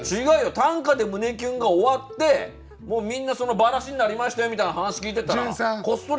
「短歌ｄｅ胸キュン」が終わってみんなばらしになりましたよみたいな話聞いてたらこっそり。